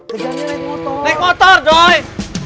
kejarnya naik motor naik motor doi